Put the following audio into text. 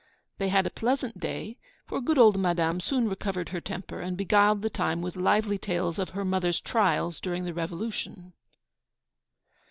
They had a pleasant day; for good old Madame soon recovered her temper, and beguiled the time with lively tales of her mother's trials during the Revolution.